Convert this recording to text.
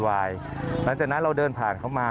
หลังจากนั้นเราเดินผ่านเขามา